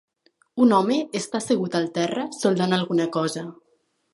Un home està assegut al terra soldant alguna cosa.